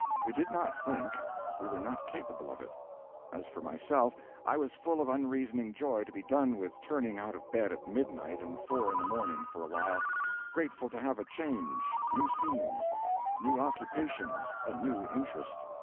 We did not think; we were not capable of it. As for myself, I was full of unreasoning joy to be done with turning out of bed at midnight and four in the morning, for a while; grateful to have a change, new scenes, new occupations, a new interest.